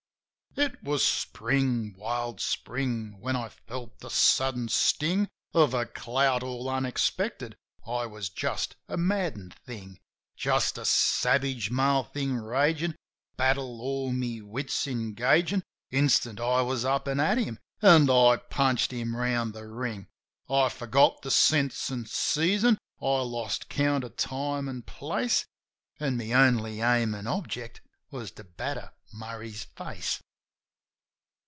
34 JIM OF THE HILLS It was Spring, wild Spring! When L felt the sudden sting Of a clout all unexpected, I was just a maddened thing — Just a savage male thing ragin' ; battle all my wits engagin'. Instant I was up an' at him, an' I punched him round the ring. I forgot the scents an' season; I lost count of time an' place; An' my only aim an' object was to batter Murray's face.